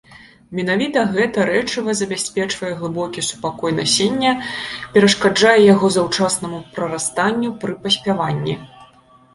Менавіта гэта рэчыва забяспечвае глыбокі супакой насення, перашкаджае яго заўчаснаму прарастанню пры паспяванні.